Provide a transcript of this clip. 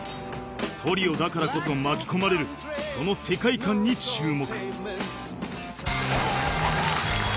トリオだからこそ巻き込まれるその世界観に注目